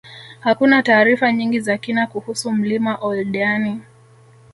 Hakuna taarifa nyingi za kina kuhusu mlima Oldeani